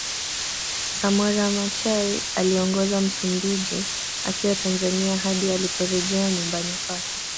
Samora Machel aliongoza Msumbiji akiwa Tanzania hadi aliporejea nyumbani kwake